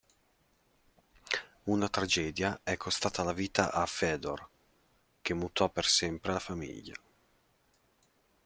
Una tragedia è costata la vita a Fedor, che mutò per sempre la famiglia.